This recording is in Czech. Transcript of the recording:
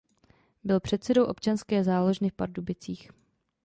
Byl předsedou Občanské záložny v Pardubicích.